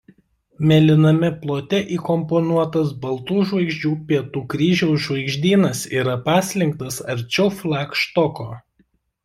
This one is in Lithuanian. Mėlyname plote įkomponuotas baltų žvaigždžių Pietų kryžiaus žvaigždynas yra paslinktas arčiau flagštoko.